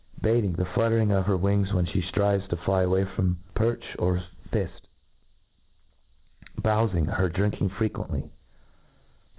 Beating ; the fluttering of her wings when ftie ftrives to fly away from perch or fift . teowfirigj her drinking frequently.